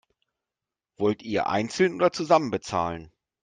Wollt ihr einzeln oder zusammen bezahlen?